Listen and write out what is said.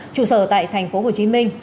trụ sở tại tp hcm